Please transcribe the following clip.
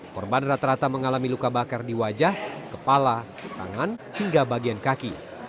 korban rata rata mengalami luka bakar di wajah kepala tangan hingga bagian kaki